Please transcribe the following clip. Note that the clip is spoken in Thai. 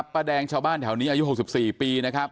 ป้าแดงชาวบ้านแถวนี้อายุ๖๔ปีนะครับ